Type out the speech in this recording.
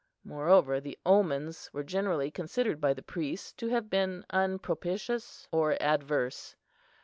Moreover the omens were generally considered by the priests to have been unpropitious or adverse.